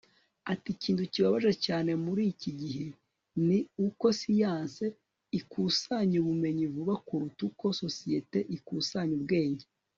ati ikintu kibabaje cyane muri iki gihe ni uko siyanse ikusanya ubumenyi vuba kuruta uko sosiyete ikusanya ubwenge